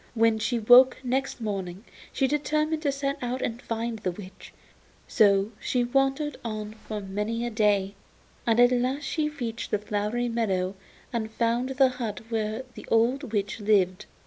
When she awoke next morning she determined to set out and find the witch; so she wandered on for many a day, and at last she reached the flowery meadow and found the hut where the old witch lived.